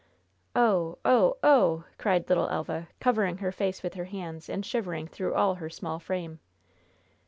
"Oh! oh! oh!" cried little Elva, covering her face with her hands and shivering through all her small frame.